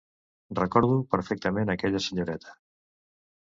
Recordo perfectament aquella senyoreta.